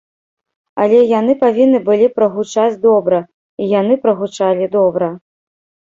Але яны павінны былі прагучаць добра, і яны прагучалі добра.